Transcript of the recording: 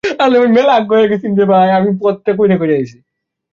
ব্যায়াম করার ক্ষমতা কমে যাওয়া একটি সাধারণ লক্ষণ।